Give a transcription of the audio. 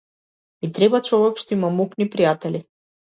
Ми треба човек што има моќни пријатели.